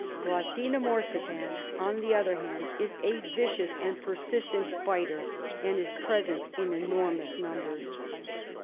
G. morsitans, on the other hand, is a vicious and persistent biter, and is present in enormous nambers.